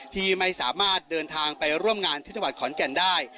ที่ไม่สามารถเดินทางไปร่วมงานที่จังหวัดขอนแก่นได้